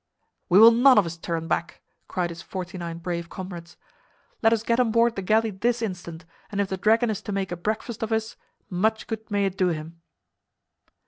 "We will none of us turn back!" cried his forty nine brave comrades. "Let us get on board the galley this instant, and if the dragon is to make a breakfast of us, much good may it do him."